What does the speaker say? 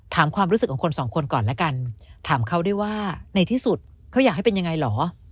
ความรู้สึกของคนสองคนก่อนแล้วกันถามเขาด้วยว่าในที่สุดเขาอยากให้เป็นยังไงเหรอ